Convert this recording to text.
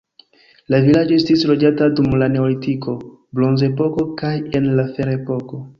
La vilaĝo estis loĝata dum la neolitiko, bronzepoko kaj en la ferepoko.